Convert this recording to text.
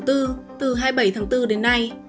từ hai mươi bảy tháng bốn đến nay